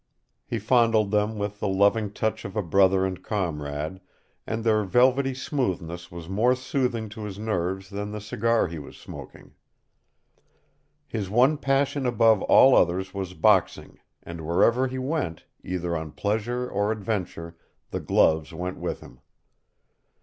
He fondled them with the loving touch of a brother and comrade, and their velvety smoothness was more soothing to his nerves than the cigar he was smoking. His one passion above all others was boxing, and wherever he went, either on pleasure or adventure, the gloves went with him.